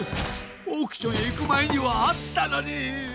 オークションへいくまえにはあったのに！